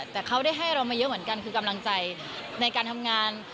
แต่เขาได้ให้เรามาเยอะเหมือนกันคือกำลังใจในการทำงาน